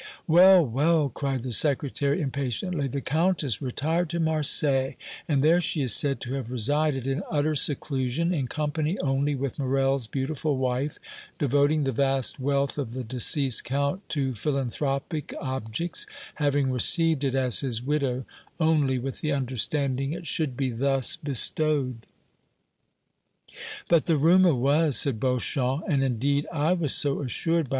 "Well, well," cried the Secretary, impatiently, "the Countess retired to Marseilles, and there she is said to have resided in utter seclusion, in company only with Morrel's beautiful wife, devoting the vast wealth of the deceased Count to philanthropic objects, having received it, as his widow, only with the understanding it should be thus bestowed." "But the rumor was," said Beauchamp, "and indeed I was so assured by M.